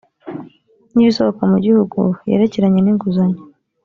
n ibisohoka mu gihugu yerekeranye n inguzanyo